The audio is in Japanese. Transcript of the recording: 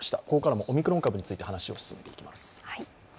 ここからもオミクロン株について話を進めていきます。